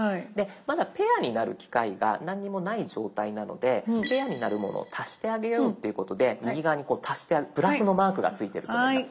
まだペアになる機械が何にもない状態なのでぺアになるものを足してあげようっていうことで右側に「＋」のマークがついてると思います。